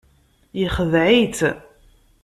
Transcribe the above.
Yexdeɛ-itt.